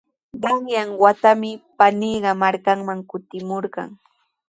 Qanyan watami paniiqa markanman kutikamurqan.